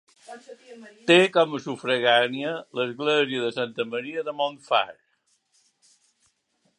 Té com a sufragània l'església de Santa Maria de Montfar.